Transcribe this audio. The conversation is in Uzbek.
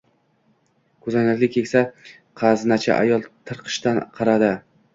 Koʻzoynakli keksa gʻaznachi ayol tirqishdan qaradi.